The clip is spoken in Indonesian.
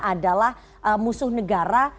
adalah musuh negara